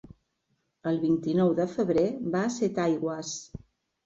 El vint-i-nou de febrer va a Setaigües.